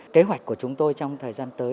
kế hoạch của chúng tôi trong thời gian tới